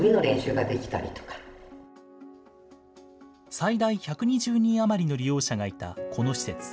最大１２０人余りの利用者がいたこの施設。